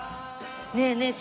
ねえねえ